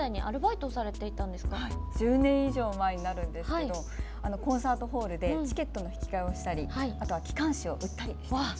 はい１０年以上前になるんですけどコンサートホールでチケットの引き換えをしたりあとは機関誌を売ったりしていました。